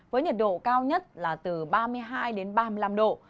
với nhiệt độ cao nhất là từ ba mươi hai đến ba mươi năm độ